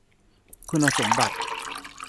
คุณสมบัติ